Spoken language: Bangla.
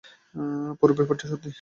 পুরো ব্যাপারটা সত্যি।